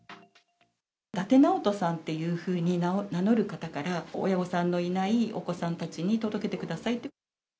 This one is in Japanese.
伊達直人さんというふうに名乗る方から、親御さんのいないお子さんたちに届けてくださいと。